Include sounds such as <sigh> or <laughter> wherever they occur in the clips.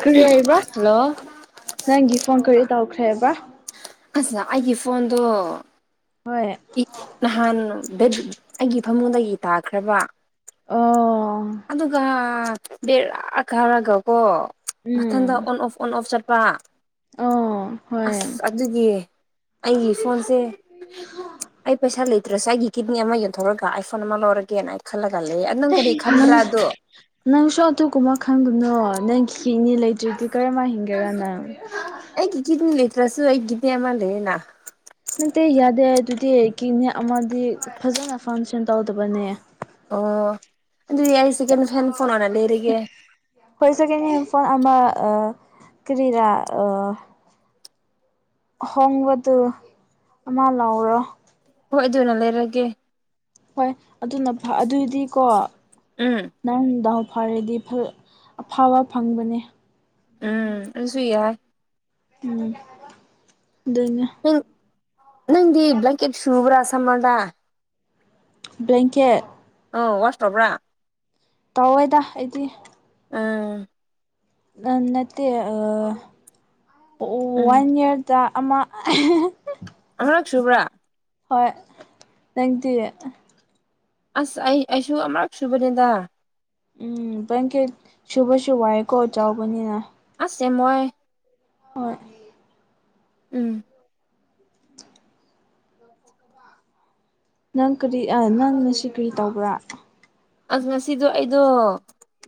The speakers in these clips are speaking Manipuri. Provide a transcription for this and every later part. ꯈ ꯑꯔꯤꯕ ꯍꯜꯂꯣ ꯅꯪ ꯒꯤꯐꯪ ꯀ ꯇꯧꯈ꯭ꯔꯦꯕ ꯑꯁ ꯑꯩꯒꯤ ꯐꯣꯟꯗꯨ ꯍꯣꯏ ꯅꯍꯥꯟꯕ ꯑꯩꯒꯤ ꯐꯃꯨꯡꯗꯒꯤ ꯇꯥꯈ꯭ꯔꯕ ꯑꯣ ꯑꯗꯨꯒ ꯕꯔ ꯈꯥꯎꯔꯒ ꯀꯣ ꯃꯊꯪꯗ ꯎꯝ ꯑꯣꯟ ꯑꯣꯐ ꯑꯣꯟ ꯑꯣꯐ ꯆꯠꯄ ꯑꯣ ꯍꯣꯏ ꯑꯁ ꯑꯗꯨꯒꯤ ꯑꯩꯒꯤ ꯐꯣꯟꯁꯦ ꯑꯩ ꯄꯩꯁꯥ ꯂꯩꯇ꯭ꯔꯁꯨꯦ ꯑꯩꯒꯤ ꯀꯤꯗꯅꯤ ꯑꯃ ꯌꯣꯟꯊꯣꯛꯔꯒ ꯑꯥꯏꯐꯣꯟ ꯑꯃ ꯂꯧꯔꯒꯦꯅ ꯑꯩ ꯈꯜꯂꯒ ꯂꯩ ꯅꯪ ꯀꯔꯤ ꯈꯟꯕ꯭ꯔꯥ ꯑꯗꯣ ꯅꯪꯁ ꯇ ꯀꯃ ꯈꯥꯡꯒꯅꯣ ꯅꯪ ꯍꯤꯅꯤ ꯂꯩꯇ꯭ꯔꯤꯗꯤ ꯀꯔꯝꯕ ꯍꯤꯡꯒꯦꯔꯥ ꯅꯪ ꯔꯁꯨ ꯍ ꯑꯣꯏꯒꯗꯦ ꯑꯃꯂꯦꯅꯥ ꯅꯠꯇꯦ ꯌꯥꯗꯦ ꯑꯗꯨꯗꯤ ꯀꯤꯅꯤ ꯑꯃꯗꯤ ꯐꯖꯅ ꯐꯪꯁꯟ ꯇꯧꯗꯕꯅꯦ ꯑꯣ ꯑꯗꯨꯗꯤ ꯑꯩ ꯁꯦꯀꯦꯟ ꯍꯦꯟ ꯐꯣꯟꯅ ꯂꯩꯔꯒꯦ ꯍꯣꯏ ꯁꯦꯀꯦꯟ ꯍꯦꯟ ꯐꯣꯟ ꯑꯃ ꯀꯔꯤꯔꯥ ꯍꯣꯡꯕꯗꯨ ꯑꯃꯂ ꯑꯣꯔꯣ ꯍꯣꯏ ꯑꯗꯨꯅ ꯂꯩꯔꯒꯦ ꯍꯣꯏ ꯑꯗꯨꯅ ꯑꯗꯨꯏꯗꯤꯀꯣ ꯎꯝ ꯅꯪꯗ ꯐꯔꯗꯤ ꯑꯐꯕ ꯐꯪꯕꯅꯦ ꯎꯝ ꯑꯁꯨ ꯌꯥꯏ ꯎꯝ ꯑꯗꯨꯗꯩꯅ ꯅꯪ ꯅꯪꯗꯤ ꯕ꯭ꯂꯀꯦꯠ ꯁꯨꯕ꯭ꯔꯥ ꯁꯝꯃꯥꯟꯗꯥ ꯕ꯭ꯂꯦꯡꯀꯦꯠ ꯑ ꯋꯥꯁꯇꯕ꯭ꯔꯥ ꯇꯧꯋꯦꯗ ꯑꯩꯗꯤ ꯑꯥ ꯅꯠꯇꯦ ꯑ ꯎꯝ ꯋꯥꯟ ꯏꯌꯥꯔꯗ ꯑꯃ ꯅꯪꯁꯨꯨꯕ꯭ꯔꯥ ꯍꯣꯏ ꯅꯪꯗꯤꯌꯦ ꯑꯁ ꯑꯩ ꯑꯩꯁꯨ ꯑꯃꯨꯔꯛ ꯁꯨꯕꯅꯦꯗ ꯎꯝ ꯇꯈꯦ ꯁꯤꯨꯕꯁꯨꯨ ꯍꯥꯏꯣ ꯆꯥꯎꯕꯅꯤꯅ ꯁꯦꯃꯣꯏ ꯍꯣꯏ ꯎꯝ ꯅꯪ ꯀꯔꯤ ꯅꯪꯅ ꯁꯤ ꯀꯔꯤ ꯇꯧꯕ꯭ꯔꯥ ꯑ ꯉꯁꯤꯗꯣ ꯑꯩꯗꯣ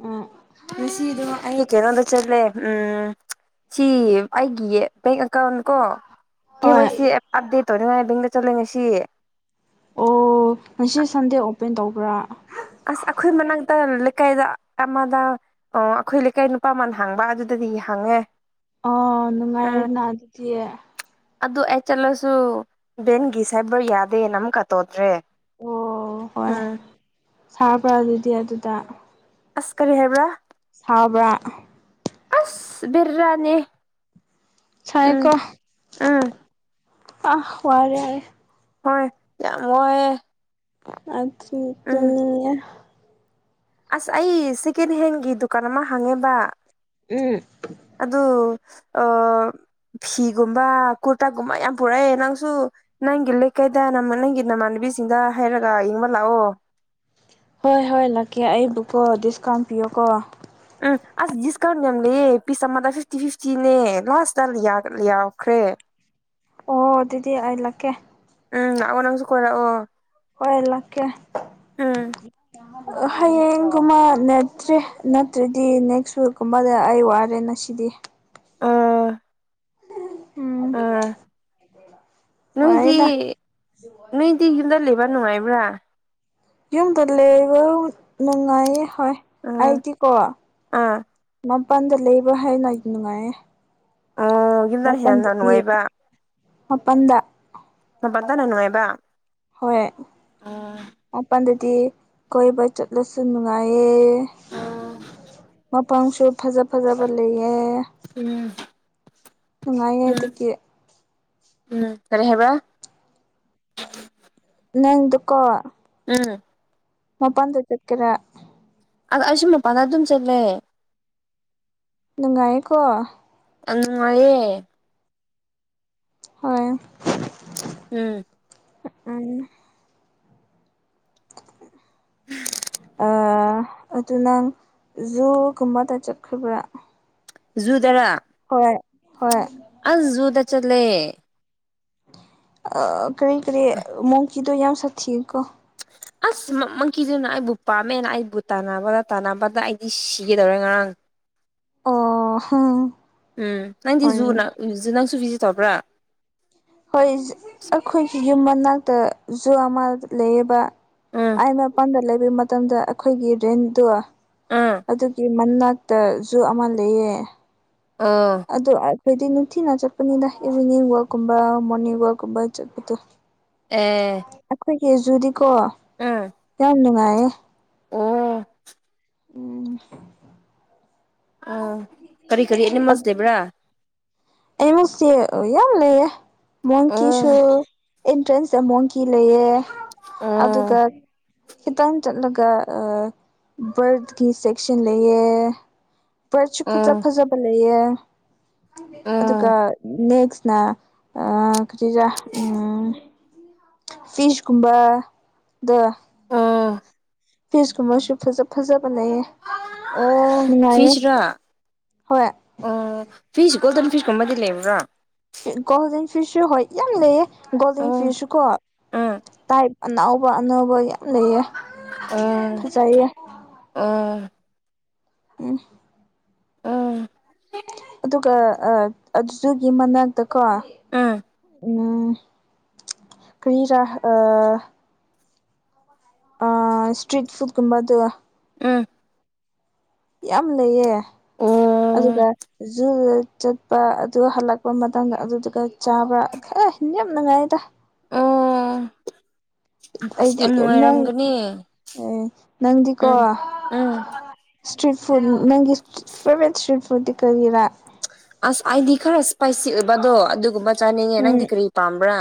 ꯎꯝ ꯉꯁꯤꯗꯣ ꯑꯩꯒꯤ ꯀꯩꯅꯣꯝꯗ ꯆꯠꯂꯦ ꯎꯝ ꯁꯤ ꯑꯩꯒꯤ ꯕꯦꯡ ꯑꯦꯀꯥꯎꯟ ꯀꯣ ꯀꯦ ꯍꯣꯏ ꯋꯥꯏ ꯁꯤ ꯑꯞꯗꯦꯠ ꯇꯧꯅꯤꯡꯉꯥꯏ ꯕꯦꯡꯗ ꯆꯠꯂ ꯉꯁꯤ ꯑꯣ ꯉꯁꯤ ꯁꯟꯗꯦ ꯑꯣꯄꯦꯟ ꯇꯧꯕ꯭ꯔꯥ ꯑꯁ ꯑꯩꯈꯣꯏ ꯃꯅꯥꯛꯛꯇ ꯂꯩꯀꯥꯏꯗ ꯑꯃꯗ ꯑ ꯑꯩꯈꯣꯏ ꯂꯩꯀꯥꯏ ꯅꯨꯄꯥ ꯃꯅ ꯍꯥꯡꯕ ꯑꯗꯨꯗꯗꯤ ꯍꯥꯡꯉꯦ ꯑꯣ ꯎꯝ ꯅꯨꯡꯉꯥꯏꯔꯅ ꯑꯗꯤꯇꯑꯦ ꯑꯗꯨ ꯑꯩ ꯆꯠꯂꯁꯨ ꯕꯦꯟꯒꯤ ꯁꯥꯏꯕꯔ ꯌꯥꯗꯦꯅ ꯑꯃꯨꯛꯀ ꯇꯧꯗ꯭ꯔꯦ ꯎꯝ ꯆꯥꯄꯖꯤꯇꯌꯥ ꯇ ꯑꯁ ꯀꯔꯤ ꯍꯥꯏꯕ꯭ꯔꯥ ꯁꯕ꯭ꯔꯥ ꯑꯁ ꯕꯤꯔ꯭ꯔꯥꯅꯦ ꯎꯝ ꯁꯥꯏꯀꯣ ꯎꯝ ꯑ ꯍꯋꯥꯔꯦ ꯍꯣꯏ ꯌꯥꯝ ꯄꯦꯏꯑꯦ ꯑꯗꯨ ꯑꯁ ꯑꯩ ꯁꯦꯀꯦꯟ ꯍꯦꯟꯒꯤ ꯗꯨꯀꯥꯟ ꯑꯃ ꯍꯥꯡꯉꯦꯕ ꯎꯝ ꯑꯗꯨ ꯑ ꯐꯤꯒꯨꯝꯕ ꯀꯨꯔꯇꯥꯒꯨꯝꯕ ꯌꯥꯝ ꯄꯨꯔꯛꯑꯦ ꯅꯪꯁꯨ ꯅꯪꯒꯤ ꯂꯩꯀꯩꯗ ꯅ ꯅꯪꯒꯤ ꯅꯃꯥꯟꯕꯤ ꯅꯨꯄꯤꯁꯤꯡꯗ ꯍꯥꯏꯔꯒ ꯌꯦꯡꯕ ꯂꯥꯛꯑꯣ ꯍꯣꯏ ꯍꯣꯏ ꯂꯥꯛꯀꯦ ꯑꯩꯕꯨꯀꯣ ꯗꯤꯁꯀꯥꯎꯟ ꯄꯤꯌꯣꯀꯣ ꯎꯝ ꯑꯁ ꯗꯤꯁꯀꯥꯎꯟ ꯌꯥꯝ ꯂꯩꯑꯦ ꯄꯤꯁ ꯑꯃꯗ ꯐꯤꯐꯇꯤ ꯐꯤꯐꯇꯤꯅꯦ ꯂꯥꯁꯇ ꯌꯥꯎꯈ꯭ꯔꯦ ꯑꯣ ꯑꯗꯨꯗꯤ ꯑꯩ ꯂꯥꯛꯀꯦ ꯎꯝ ꯑꯉ ꯅꯁꯨ ꯈꯔꯑꯣ ꯑꯣꯏ ꯂꯥꯛꯀꯦ ꯑꯝ ꯍꯌꯦꯡꯒꯨꯝꯕ ꯅꯦꯠꯇ꯭ꯔꯦ ꯅꯠꯇ꯭ꯔꯗꯤ ꯅꯦꯛꯁ ꯋꯤꯛꯀꯨꯝꯕꯗ ꯑꯩ ꯋꯥꯔꯦ ꯉꯁꯤꯗꯤ ꯎꯥ ꯎꯝ ꯅꯣꯏꯗꯤ ꯋꯥꯔꯦꯗ ꯅꯣꯏꯗꯤ ꯌꯨꯝꯗ ꯂꯩꯕ ꯅꯨꯡꯉꯥꯏꯕ꯭ꯔꯥ ꯌꯨꯝꯗ ꯂꯩꯕ ꯅꯨꯡꯉꯥꯏ ꯎꯝ ꯍꯥꯏꯗꯤꯀꯣ ꯑꯥ ꯃꯄꯥꯟꯗ ꯂꯩꯕ ꯍꯥꯏꯅ ꯅꯨꯡꯉꯥꯏꯌꯦ ꯑꯣ ꯌꯨꯝꯗꯅ ꯍꯦꯟꯅ ꯃꯄꯜꯗꯗꯤ ꯅꯨꯡꯉꯥꯏꯕ ꯃꯄꯟꯗ ꯃꯄꯠꯇꯅ ꯅꯨꯅꯨꯡꯉꯥꯏꯕ ꯍꯣꯏ ꯃꯄꯥꯟꯗꯗꯤ ꯀꯣꯏꯕ ꯆꯠꯂꯁꯨ ꯅꯨꯡꯉꯥꯏꯌꯦ ꯃ ꯄꯥꯡꯁꯨ ꯐꯖ ꯐꯖꯕ ꯂꯩꯌꯦ ꯎꯝ ꯅꯨꯡꯉꯥꯏꯌꯦ ꯑꯗꯨꯗꯤ ꯎꯝꯔꯦꯕ ꯅꯪꯗꯨꯀ ꯎꯝ ꯃꯄꯥꯟꯗ ꯆꯀꯔꯦ ꯑ ꯑꯁꯨꯃꯦ ꯄꯗ ꯑꯗꯨꯝ ꯆꯠꯂꯦ ꯅꯨꯡꯉꯥꯏꯌꯦꯀꯣ ꯑꯅꯨꯡꯉꯑꯦ ꯍꯣꯏ ꯎꯝ ꯑ ꯎ ꯑꯗꯨ ꯅꯪ ꯖꯨꯒꯨꯝꯕ ꯇ ꯆꯠꯈ꯭ꯔꯤꯕ꯭ꯔꯥ ꯖꯨꯗꯔꯥ ꯍꯣꯏ ꯍꯣꯏ ꯑꯁꯖꯨꯗ ꯆꯂꯦ ꯑ ꯀꯔꯤ ꯀꯔꯤ ꯃꯣꯡꯒꯤꯗꯣ ꯌꯥꯝ ꯁꯥꯊꯤꯑꯀꯣ ꯑꯁ ꯃꯪꯀꯤꯗꯨꯅ ꯑꯩꯕꯨ ꯄꯥꯝꯃꯦꯅ ꯑꯩꯕꯨ ꯇꯥꯟꯅꯕꯗ ꯇꯥꯟꯅꯕꯗ ꯑꯩꯗꯤ ꯁꯤꯒꯗꯧꯔꯦ ꯉꯔꯥꯡ <inaudible> ꯑꯣ ꯍꯝ ꯎꯝ ꯅꯪꯗꯤ ꯍꯣꯏ ꯖꯨ ꯅꯪꯁꯨ ꯚꯤꯖꯤꯠ ꯇꯧꯕ꯭ꯔꯥ ꯍꯣꯏ ꯑꯩꯈꯣꯏꯒꯤ ꯌꯨꯝ ꯃꯅꯥꯛꯇ ꯖꯨ ꯑꯃ ꯂꯩꯌꯦꯕ ꯎꯝ ꯑ ꯃꯄꯥꯟꯗ ꯂꯩꯕ ꯃꯇꯝꯗ ꯑꯩꯈꯣꯏꯒꯤ ꯔꯦꯟꯗꯣ ꯎꯝ ꯑꯗꯨꯒꯤ ꯃꯅꯥꯛꯇꯁꯨꯨ ꯑꯃ ꯂꯩꯌꯦꯦ ꯑꯣ ꯑꯗ ꯐꯗꯤꯅ ꯊꯤꯅ ꯆꯠꯄꯅꯤꯗ ꯏꯚꯤꯅꯤꯡ ꯋꯥꯛꯀꯨꯝꯕ ꯃꯣꯔꯅꯤꯡ ꯋꯥꯛꯀꯨꯝꯕ ꯆꯠꯄꯗꯨꯣ ꯑꯝ ꯍꯦꯖꯨꯔꯤ ꯀꯣ ꯌꯥꯝ ꯅꯨꯡꯉꯥꯏꯌꯦꯦ ꯑꯣ ꯎꯝ ꯑꯣ ꯀꯔꯤ ꯀꯔꯤ ꯑꯦꯅꯤꯃꯜꯁ ꯂꯩꯕ꯭ꯔꯥ ꯑꯃꯁꯤ ꯌꯥꯝ ꯂꯩꯦ ꯑꯣ ꯃꯣꯡꯀꯤꯁꯨꯣ ꯑꯦꯟꯇ꯭ꯔꯦꯟꯁ ꯃꯣꯡ ꯀꯤ ꯂꯩꯌꯦ ꯑꯗꯨꯒ ꯑꯣ ꯈꯤꯇꯪ ꯆꯠꯂꯒ ꯕꯥꯔꯠꯀꯤ ꯁꯦꯛꯁꯟ ꯂꯩꯑ ꯐꯔꯁꯨ ꯐꯖꯕ ꯑꯣ ꯐꯖꯕ ꯂꯩꯦ ꯑꯣ ꯀꯇꯖ ꯎꯝ ꯐꯤꯤꯁ ꯀꯨꯝꯕ ꯑ ꯑꯥ ꯐꯦꯁꯀꯨꯝꯁꯨ ꯐꯖ ꯐꯖꯕ ꯂꯩꯌꯦ ꯑꯣ ꯅꯨꯡꯉꯥꯏꯌꯦ ꯐꯤꯁ ꯔ ꯍꯣꯏ ꯑꯣ ꯐꯤꯁ ꯒꯣꯜꯗꯟ ꯐꯤꯁꯀꯨꯝꯕꯗꯤ ꯂꯩꯕ꯭ꯔꯥ ꯒꯣꯜꯗꯟ ꯐꯤꯁꯁꯨ ꯍꯣꯏ ꯌꯥꯝ ꯂꯩꯌꯦ ꯒꯣꯜꯗꯟ ꯑꯣ ꯐꯤꯁꯁꯨꯀꯣ ꯎꯝ ꯇꯥꯏ ꯑꯅꯧꯕ ꯑꯅꯧꯕ ꯌꯥꯝ ꯂꯩꯌꯦ ꯑꯣ ꯐꯖꯩꯌꯦ ꯑꯣ ꯎꯝ ꯑꯝ ꯑꯗꯨꯒ ꯑꯗꯨꯗꯨꯒꯤ ꯃꯅꯥꯛꯇꯀꯣ ꯑꯥ ꯎꯝ ꯀꯔꯤꯔꯥ ꯑꯥ ꯑ ꯏꯁꯇ꯭꯭ꯔꯤꯠ ꯐꯨꯠ ꯀꯨꯝꯕ ꯑꯗꯨ ꯎꯝ ꯌꯥꯝ ꯂꯩꯌꯦ ꯑꯗꯨꯒ ꯑꯣ ꯖꯨ ꯆꯠꯄ ꯑꯗꯨ ꯍꯜꯂꯛꯄ ꯃꯇꯝꯗ ꯑꯗꯨꯗꯨꯒ ꯆꯥꯕ ꯈꯔ ꯌꯥꯝ ꯅꯨꯡꯉꯥꯏꯗ ꯑꯣ ꯑꯁ ꯌꯥꯝ ꯅꯨꯡꯉꯥꯏꯔꯝꯒꯅꯤ ꯎꯝ ꯅꯪꯗꯤꯀꯣ ꯎꯝ ꯎꯝ ꯏꯁꯇ꯭ꯔꯤꯠ ꯐꯨꯗ ꯅꯪꯒꯤ ꯏꯁ ꯐꯦꯚꯔꯥꯏꯠ ꯏꯁꯇ꯭ꯔꯤꯠ ꯐꯨꯗꯇꯤ ꯀꯔꯤꯔꯥ ꯑꯁ ꯑꯩꯗꯤ ꯈꯔ ꯏꯁꯄꯥꯏꯁꯤ ꯑꯣꯏꯕꯗꯣ ꯑꯗꯨꯒꯨꯝꯕ ꯆꯥꯅꯤꯡꯉꯦ ꯎꯝ ꯅꯪꯗꯤ ꯀꯔꯤ ꯄꯥꯝꯕ꯭ꯔꯥ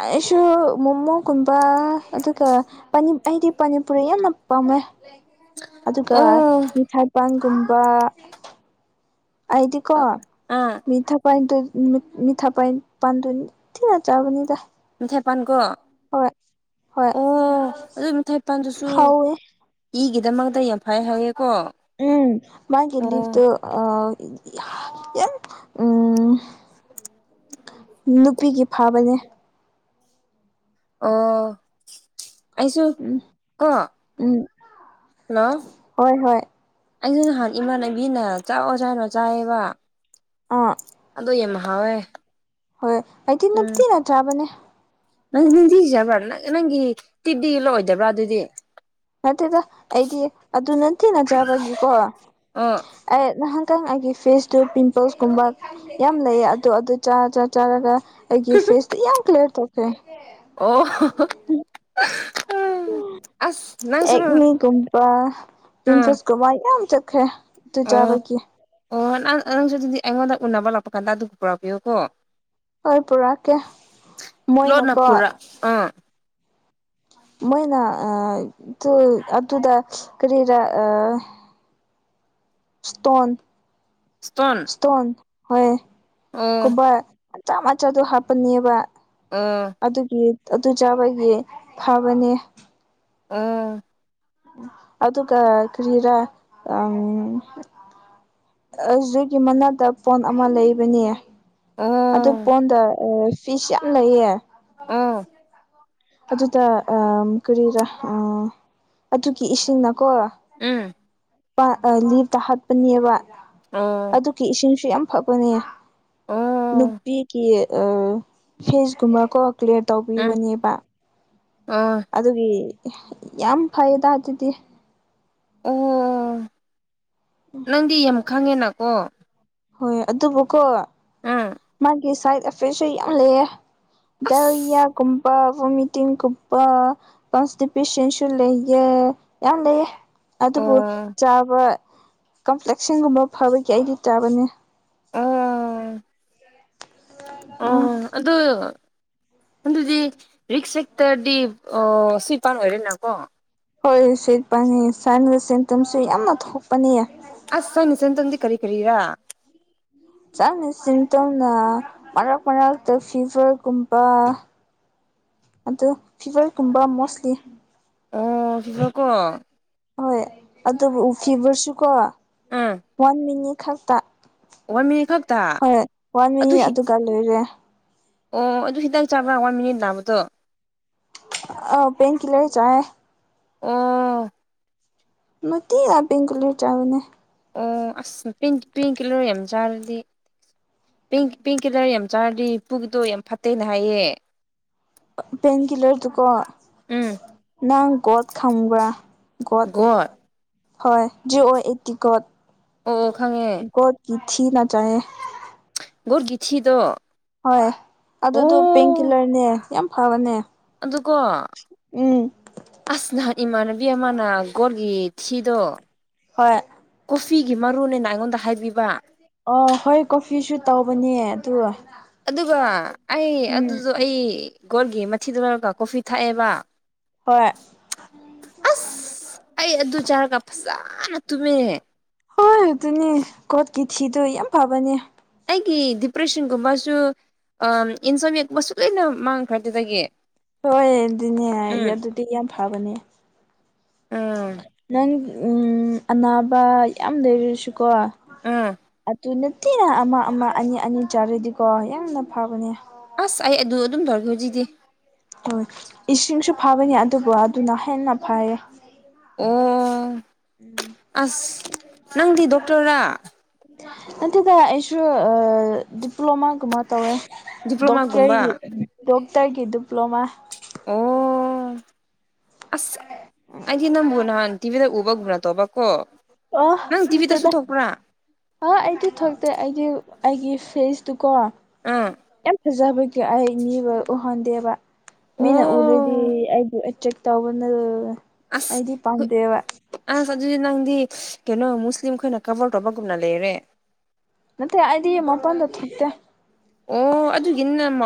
ꯑꯩꯁꯨ ꯃꯣꯃꯣꯒꯨꯝꯕ ꯑꯗꯨꯒ ꯑꯥ ꯄꯅꯤ ꯑꯩꯗꯤ ꯄꯥꯅꯤ ꯄꯨꯔꯤ ꯌꯥꯝꯅ ꯄꯥꯝ ꯃ‌ꯦ ꯑꯗꯨꯒ ꯑꯣ ꯃꯤꯊꯥꯏꯕꯥꯜꯒꯨꯝꯕ ꯑꯩꯗꯤ ꯀꯣ ꯑꯥ ꯃꯤꯊꯥ ꯄꯟ ꯇꯨ ꯃꯤ ꯃꯤꯊꯥ ꯄꯥꯏ ꯄꯥꯟꯗꯨ ꯊꯤꯅ ꯆꯥꯕꯅꯤꯗ ꯊ‌ꯦꯄꯥꯟ ꯀ‌ꯣ ꯍꯣꯏ ꯍꯣꯏ ꯑꯣ ꯑꯗꯨ ꯃꯤꯊꯥꯏ ꯄꯥꯥꯟꯗꯨꯁꯨ ꯍꯥꯎꯋꯦ ꯏꯒꯤ ꯗꯃꯛꯇ ꯌꯥꯝ ꯐꯩ ꯍꯥꯏꯌ‌ꯦ ꯎꯝ ꯃꯥꯒꯤ ꯂꯤꯕꯗꯨ ꯑꯥ ꯌꯥꯝ ꯎꯝ ꯅꯨꯄꯤꯒꯤ ꯐꯥꯕꯅꯦ ꯑ‌ꯣ ꯑꯩꯁꯨ ꯎꯝ ꯀ‌ꯣ ꯎꯝ ꯍꯜꯂꯣ ꯍꯣꯏ ꯍꯣꯏ ꯑꯩꯁꯨ ꯅꯍꯥꯟ ꯏꯃꯥꯟꯅꯕꯤꯅ ꯆꯥꯎꯑꯣ ꯆꯥꯅꯣ ꯆꯥꯏꯌꯦꯕ ꯑꯥ ꯑꯗꯣ ꯌꯥꯝ ꯍꯥꯎꯋꯦ ꯍꯣꯏ ꯑꯩꯗꯤ ꯎꯝ ꯅꯨꯡꯇꯤꯒꯤ ꯆꯥꯕꯅꯦ ꯅꯪ ꯅꯨꯡꯇꯤꯒꯤ ꯆꯥꯕ꯭ꯔꯥ ꯅꯪ ꯅꯪꯒꯤ ꯇꯤꯕꯤ ꯂ‌ꯣꯏꯗꯕ꯭ꯔꯥ ꯑꯗꯨꯗꯤ ꯅꯠꯇꯦꯗ ꯑꯩꯗꯤ ꯑꯗꯨ ꯅꯨꯡꯇꯤꯅ <unintelligible> ꯆꯥꯕꯒꯤꯀꯣ ꯑꯣ ꯑꯩ ꯅꯍꯥꯟ ꯈꯤꯇꯪ ꯑꯩꯒꯤ ꯐꯦꯁꯇꯨ ꯄꯤꯝꯄꯜꯁꯀꯨꯝꯕ ꯌꯥꯝ ꯂꯩꯌꯦ ꯑꯗꯨ ꯑꯗꯨ ꯆꯥꯗꯔ ꯆꯥꯔꯒ ꯑꯩꯒꯤ ꯐꯦꯁꯇ‌ꯣ ꯌꯥꯝ ꯀ꯭ꯂꯤꯌꯥꯔ ꯇꯧꯈꯔ‌ꯦ ꯑꯣ ꯎꯝ ꯑꯁ ꯅꯪꯁꯨ ꯑꯥ ꯇꯤꯟ ꯑꯥ ꯈꯣꯁ <unintelligible> ꯀ‌ꯣꯃꯥꯏ ꯌꯥꯝ ꯆꯠꯈꯔ‌ꯦ ꯑꯗꯨ ꯑꯣ ꯆꯥꯕꯒꯤ ꯑꯣ ꯅꯪ ꯅꯪꯁꯨ ꯑꯗꯨꯗꯤ ꯑꯩꯉꯣꯟꯗ ꯎꯅꯕ ꯂꯥꯛꯄ ꯀꯥꯟꯗ ꯑꯗꯨꯒ ꯄꯨꯔꯛꯄꯤꯌꯣ ꯀꯣ ꯍꯣꯏ ꯄꯨꯔꯛꯀꯦ ꯂꯣꯟꯅ ꯃꯣꯏꯅꯀꯣ ꯄꯨꯔꯛ ꯑꯥ ꯃꯣꯏꯅ ꯑ ꯑꯗꯨ ꯑꯗꯨꯗ ꯀꯔꯤꯔꯥ ꯑꯥ ꯏꯁꯇꯣꯟ ꯏꯁꯇꯣꯟ ꯍ‌ꯣꯏ ꯑꯣ ꯀꯨꯝꯕꯥ ꯃꯆꯥ ꯃꯆꯥꯗꯣ ꯍꯥꯞꯄꯅꯦꯕ ꯑꯣ ꯑꯗꯨꯒꯤ ꯑꯗꯨ ꯆꯥꯕꯒꯤ ꯐꯥꯕꯅꯦ ꯑꯥ ꯑꯗꯨꯒ ꯀꯔꯤꯔꯥ ꯑꯪ ꯑꯗꯨꯗꯨꯒꯤ ꯃꯅꯥꯛꯇ ꯄꯣꯟ ꯑꯃ ꯂꯩꯕꯅꯦ ꯑꯣ ꯑꯗꯨ ꯄꯣꯟꯗ ꯑꯥ ꯐꯤꯁ ꯌꯥꯝ ꯂꯩꯌꯦ ꯑꯝ ꯑꯗꯨꯗ ꯑ ꯀꯔꯤꯔ ꯑꯥ ꯑꯗꯨꯒꯤ ꯏꯁꯤꯡꯅꯀꯣ ꯎꯝ ꯇ ꯂꯤꯞꯇ ꯍꯥꯠꯄꯅꯦꯕ ꯑꯣ ꯑꯗꯨꯒꯤ ꯏꯁꯤꯡꯁꯨ ꯌꯥꯝ ꯐꯕꯅꯦ ꯑꯣ ꯅꯨꯄꯤꯒꯤ ꯀ ꯑ ꯐꯦꯁꯒꯨꯝꯕꯀ‌ꯣ ꯀ꯭ꯂꯤꯌꯥꯔ ꯎꯝ ꯇꯧꯕꯤꯕꯅꯦꯕ ꯑꯣ ꯑꯗꯨꯒꯤ ꯌꯥꯝ ꯐꯩꯗ ꯑꯗꯨꯗꯤ ꯑꯣ ꯅꯪꯗꯤ ꯌꯥꯝ ꯈꯪꯉꯦꯅꯀꯣ ꯍꯣꯏ ꯑꯗꯨꯕꯨꯀꯣ ꯎꯝ ꯒꯤ ꯁꯥꯏꯠ ꯑꯦꯐꯦꯛꯁꯨ ꯌꯥꯝ ꯂꯩꯑꯦ ꯑꯁ ꯗꯥꯏꯣꯔꯤꯌꯥꯒꯨꯝ ꯚꯣꯃꯤꯇꯤꯡꯒꯨꯝꯕ ꯀꯁꯇ ꯄꯦꯁꯦꯟꯁꯨ ꯂꯩꯌꯦꯦ ꯌꯥꯝ ꯂꯩꯑ ꯑꯗꯨꯕꯨ ꯑꯣ ꯆꯥꯕ ꯀꯝꯄ꯭ꯂꯦꯛꯁꯟꯒꯨꯝꯕ ꯐꯕꯒꯤ ꯑꯩꯗꯤ ꯆꯥꯕꯅꯦ ꯑꯣ ꯎꯝ ꯑꯣ ꯑꯗꯨꯗ ꯑꯗꯨꯗꯤ ꯔꯤꯛꯁ ꯍꯦꯛꯇꯗꯤ ꯑ ꯁꯨꯄꯥꯟ ꯑꯣꯏꯔꯦꯅꯀꯣ ꯍꯣꯏ ꯁꯤꯠꯄꯅꯤ ꯁꯟꯒꯤ ꯁꯤꯟꯇꯨꯝꯁꯨ ꯌꯥꯝꯅ ꯊꯣꯛꯄꯅꯤꯌꯦ ꯑꯁ ꯁꯅꯤꯁ ꯇꯗꯤ ꯀꯔꯤ ꯀꯔꯤꯔꯥ ꯆꯥꯅ ꯁꯤꯟ ꯇꯧꯅ ꯃꯔꯛ ꯃꯔꯛꯇ ꯐꯤꯚꯔꯒꯨꯝꯕ ꯑꯗꯨ ꯐꯤꯚꯔꯒꯨꯝꯕ ꯃꯣꯁꯂꯤ ꯑꯣ ꯁꯤꯖ꯭ꯔꯣ ꯀꯣ ꯍꯣꯏ ꯑꯗꯨꯕꯨ ꯎꯕꯔꯁꯨꯀꯣ ꯋꯥꯟ ꯃꯤꯅꯤꯠ ꯈꯛꯇ ꯋꯥ ꯃꯤ <inaudible> ꯑꯣ ꯑꯗꯨ ꯍꯤꯗꯥꯛ ꯆꯥꯕ꯭ꯔ ꯋꯥ ꯃꯤꯅꯤꯠ ꯂꯥꯛꯕꯗꯣ ꯑ ꯄꯦꯟꯟ ꯀꯤꯂꯔ ꯆꯦ ꯑꯣ ꯅꯠꯇꯤ ꯄꯦꯡꯒꯂꯤꯔ ꯆꯥꯋꯅꯦ ꯑꯣ ꯑꯁ ꯄꯤꯡ ꯄꯤꯡ ꯀꯂꯔ ꯌꯥꯝ ꯆꯥꯔꯗꯤ ꯄ ꯄꯤꯡ ꯀꯤꯂꯔ ꯌꯥꯝ ꯆꯥꯔꯗꯤ ꯏ ꯄꯨꯨꯒꯤꯗꯣ ꯌꯥꯝ ꯐꯠꯇꯦꯅ ꯍꯥꯏꯌꯦ ꯄꯟ ꯀꯂꯔꯗꯨꯀꯣ ꯎꯝ ꯅꯪ ꯠ ꯈꯪꯕ꯭ꯔꯥ ꯒꯠ ꯒꯣꯠ ꯍ ꯑꯣ ꯑꯦ ꯇꯀꯠ ꯑꯣ ꯈꯪꯉꯦ ꯁꯤꯅ ꯆꯦ ꯨꯔꯒꯤꯊꯤꯗ ꯍꯣꯏ ꯑꯗꯨꯗꯣ ꯄꯦꯟꯀꯤꯤꯜꯂꯔꯅꯦ ꯌꯥꯝ ꯐꯕꯅꯦ ꯑꯗꯨꯒꯀꯣ ꯎꯝ ꯑꯁ ꯅꯍꯥꯟ ꯏꯃꯥꯟꯅ ꯕꯤꯍꯃꯅꯥ ꯒꯣꯔꯒꯤ ꯊꯤꯗꯣ ꯍꯣꯏ ꯀꯣꯐꯤꯒꯤ ꯃꯔꯨꯅꯦꯅ ꯑꯩꯉꯣꯟꯗ ꯍꯥꯏꯕꯤꯕ ꯑꯣ ꯍꯣꯏ ꯀꯣꯐꯤꯁꯨ ꯇꯧꯕꯅꯦ ꯑ ꯑꯗꯨꯒ ꯑꯩ ꯑꯗꯨꯗꯣ ꯑꯩ ꯒꯣꯣꯔꯒꯤ ꯃꯊꯤꯗ ꯂꯧꯣꯏꯔꯒ ꯀꯣꯐꯤ ꯊꯥꯛꯑꯦꯕ ꯍꯣꯏ ꯑꯁ ꯑꯩ ꯑꯗꯨ ꯆꯥꯔꯒ ꯐꯖꯅ ꯇꯨꯝꯃꯤꯦ ꯍꯣꯏ ꯑꯗꯨꯅꯦ ꯀꯣꯠꯀꯤ ꯊꯤꯗꯣ ꯌꯥꯝ ꯐꯕꯅꯦ ꯑꯩꯒꯤ ꯗꯤꯄ꯭ꯔꯦꯁꯟꯒꯨꯝꯕꯁꯨ ꯑ ꯏꯟꯁꯣꯃꯤꯌꯥ ꯀꯨꯝꯕꯁꯨ ꯂꯣꯏꯅ ꯃꯥꯡꯈ꯭ꯔ ꯑꯗꯨꯗꯒꯤ ꯍꯣꯏ ꯑꯗꯨꯅꯦ ꯎꯝ ꯑꯗꯨꯗꯤ ꯌꯥꯝ ꯐꯕꯅꯦ ꯎꯝ ꯅꯪ ꯑꯅꯥꯕ ꯌꯥꯝ ꯂꯩꯔꯁꯨꯀꯣ ꯎꯝ ꯑꯗꯨꯅ ꯊꯤꯅ ꯑꯃ ꯑꯃ ꯑꯅꯤ ꯑꯅꯤ ꯆꯥꯔꯗꯤꯀꯣ ꯌꯥꯝꯅ ꯐꯕꯅꯦ ꯑꯁ ꯑꯩ ꯑꯗꯨ ꯑꯗꯨꯝ ꯇꯧꯔꯒꯦ ꯍꯧꯖꯤꯛꯗꯤ ꯍꯣꯏ ꯏꯁꯤꯡꯁꯨ ꯐꯕꯅꯦ ꯑꯗꯨꯕꯨ ꯑꯗꯨꯅ ꯍꯦꯟꯅ ꯐꯌꯦ ꯑꯣ ꯑꯁ ꯅꯪꯗꯤ ꯗꯣꯛꯇꯔꯥ ꯅꯠꯇꯗ ꯑꯩꯁꯨ ꯗꯤꯄ꯭ꯂꯣꯃꯥꯒꯨꯝꯕ ꯇꯧꯋꯦ ꯗꯣꯛꯔ ꯗꯤꯄ꯭ꯂꯣꯃꯥꯒꯨꯝꯕ ꯗꯣꯛꯣꯛꯇꯔꯒꯤ ꯗꯤꯄ꯭ꯂꯣꯃꯥ ꯑꯣ ꯑꯁ ꯑꯩꯗꯤ ꯅꯕꯨꯣꯅꯥꯟ ꯇꯤꯕꯤꯗ ꯕꯅ ꯇꯣꯕꯀꯣ ꯑ ꯃꯠꯇꯦꯗ ꯑ ꯑꯩꯗꯤ ꯊꯣꯛꯇꯦ ꯑꯩꯒꯤ ꯑꯩꯒꯤ ꯐꯦꯁꯇꯨꯀꯣ ꯑꯥ ꯌꯥꯝ ꯐꯖꯕꯒꯤ ꯑꯩ ꯃꯤꯕꯨ ꯎꯍꯟꯗꯦꯕ ꯃꯤꯅ ꯎꯔꯗꯤ ꯑꯣ ꯑꯩꯕꯨ ꯑꯦꯇꯦꯛ ꯇꯧꯕꯅ ꯑꯁ ꯑꯩꯗꯤ ꯄꯥꯝꯗꯦꯕ ꯑꯁ ꯑꯗꯨ ꯅꯪꯗꯤ ꯀꯩꯅꯣ ꯃꯨꯁꯂꯤꯝ ꯈꯣꯏꯅ ꯀꯕꯔ ꯇꯧꯕꯒꯨꯝꯅ ꯂꯩꯔꯦ ꯅꯠꯇ ꯑꯗꯤ ꯃꯄꯥꯟꯗ ꯊꯣꯛꯣꯛꯇ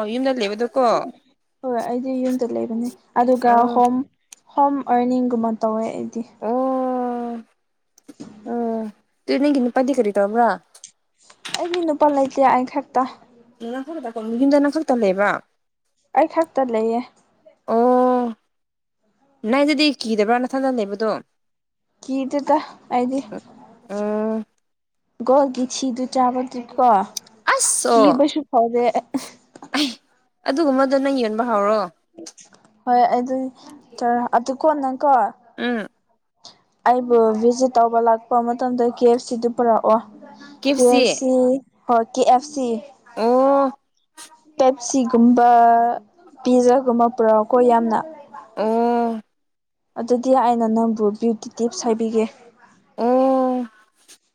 ꯌ ꯂꯩꯕ ꯍꯣꯏ ꯑꯩꯗꯤ ꯌꯨꯝꯗ ꯂꯩꯕꯅꯦ ꯑꯗꯨꯒ ꯑꯣ ꯍꯣꯝ ꯍꯣꯝ ꯑꯔꯅꯤꯡꯒꯨꯝꯕ ꯇꯧꯋꯦ ꯑꯩꯗꯤ ꯎ ꯇꯨꯅ ꯀꯅ ꯄꯗꯤ ꯈꯔꯤ ꯇꯕ꯭ꯔꯥ ꯑꯩꯒꯤ ꯅꯨꯄꯥ ꯂꯩꯇꯦ ꯑꯩ ꯈꯛꯇ ꯈꯛꯇ ꯌꯨꯝꯗꯅꯪꯈꯛꯇ ꯂꯩꯕ ꯑꯩ ꯈꯛꯇ ꯂꯩꯌꯦ ꯑꯣ ꯏꯗꯗꯤ ꯀꯤꯗꯕ꯭ꯔꯥ ꯅꯊꯟꯗ ꯂꯩꯕꯗꯣ ꯀ ꯇꯗ ꯑꯩꯗꯤ ꯑꯣ ꯣꯜꯒꯁꯤꯗꯨ ꯆꯥꯕꯀꯣ ꯀ ꯑꯁ ꯑꯣ ꯁꯨ ꯐꯥꯎꯗꯦ ꯑꯩ ꯑꯗꯨꯒꯨꯝꯕꯗꯣ ꯅꯪ ꯌꯣꯟꯕ ꯍꯧꯥꯎꯔꯣ ꯍꯣꯏ ꯑꯗꯨ ꯑꯗꯨ ꯑꯗꯨ ꯀꯣꯟꯅꯪꯀꯣ ꯎꯝ ꯑꯩꯕꯨ ꯚꯤꯖꯤꯠ ꯇꯧꯕ ꯂꯥꯛꯄ ꯃꯇꯝꯗ ꯀꯦ ꯑꯦꯐ ꯁꯤꯗꯨ ꯄꯨꯔꯛꯑꯣ ꯐ ꯀꯦꯞꯁꯤ ꯁꯤ ꯍ ꯀꯦ ꯑꯦꯐ ꯁꯤ ꯑꯣ ꯁꯤꯒꯨꯝꯕ ꯄꯤꯖꯒꯨꯝꯕ ꯄꯨꯔꯛꯑꯣꯀꯣ ꯌꯥꯝꯅ ꯎ ꯑꯗꯨꯗꯤ ꯑꯩꯅ ꯅꯝꯕꯨ ꯕ꯭ꯌꯨꯇꯤ ꯇꯤꯞꯁ ꯍꯥꯏꯕꯤꯒꯦ ꯑꯣ